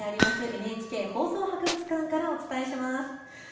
ＮＨＫ放送博物館からお伝えします。